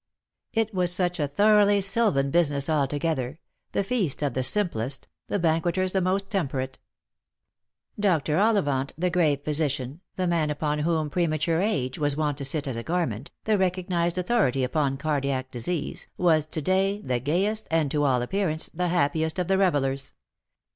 It was such a thoroughly silvan business altogether — the feast of the simplest — the ban queters the most temperate. Dr. OUivant, the grave physician, the man upon whom pre mature age was wont to sit as a garment, the recognised autho rity upon cardiac disease, was to day the gayest, and, to all appearance, the happiest of the revellers.